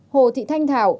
ba hồ thị thanh thảo